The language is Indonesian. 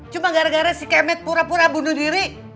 cuma gara gara si kemit pura pura bunuh diri